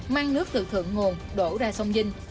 mang nước từ thượng nguồn đổ ra sông vinh